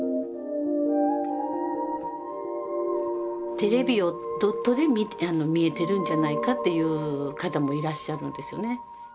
テレビをドットで見えてるんじゃないかって言う方もいらっしゃるんですよね。